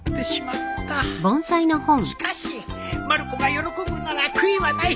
しかしまる子が喜ぶなら悔いはない！